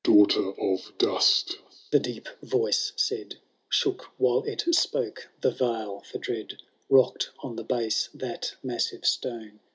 ^ Daughter of dtut,'* the Deep Voice said, —Shook while it spoke the vale for dread, Rock*d on the base thai massiye stone.